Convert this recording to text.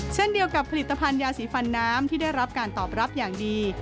เช่นเดียวกับผลิตภัณฑ์ยาสีฟันน้ำที่ได้รับการตอบรับอย่างดี